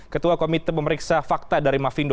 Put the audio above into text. ketua komite pemeriksa fakta dari mafinda